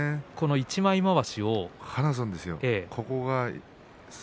一枚まわしを離すんですよね。